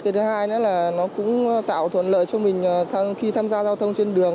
thứ hai nữa là nó cũng tạo thuận lợi cho mình khi tham gia giao thông trên đường